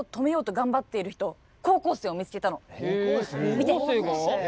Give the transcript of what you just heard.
見て！